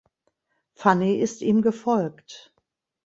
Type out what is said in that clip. Fanny ist ihm gefolgt.